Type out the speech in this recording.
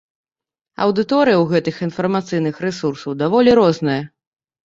Аўдыторыя ў гэтых інфармацыйных рэсурсаў даволі розная.